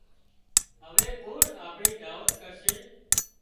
هوي ڪُوڻ آپڻي دعوت ڪرشي